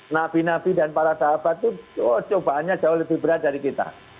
nabi nabi dan para sahabat itu cobaannya jauh lebih berat dari kita